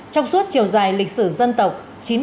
trong suốt chiều dài lịch sử dân tộc